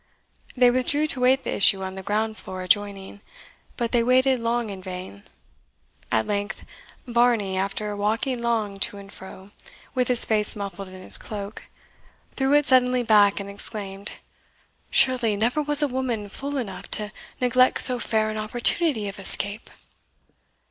They withdrew to wait the issue on the ground floor adjoining; but they waited long in vain. At length Varney, after walking long to and fro, with his face muffled in his cloak, threw it suddenly back and exclaimed, "Surely never was a woman fool enough to neglect so fair an opportunity of escape!"